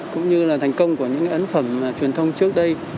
cũng như là thành công của những ấn phẩm truyền thông trước đây